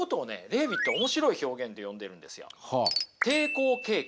レーヴィット面白い表現で呼んでるんですよ。